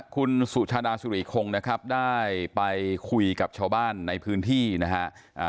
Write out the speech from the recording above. คุณสุชาดาสุริคงนะครับได้ไปคุยกับชาวบ้านในพื้นที่นะฮะ